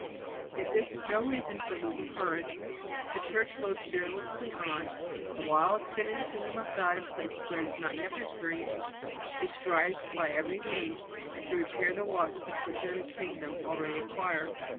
Yet this is no reason for losing courage. The Church goes fearlessly on, and while extending the Kingdom of God in places where it has not yet been preached, she strives by every means to repair the losses inflicted on the Kingdom already acquired."